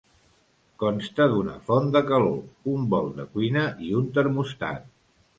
Consta d'una font de calor, un bol de cuina i un termòstat.